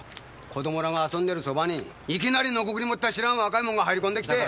子供らが遊んでる側にいきなりノコギリ持った知らん若い者が入りこんで来て！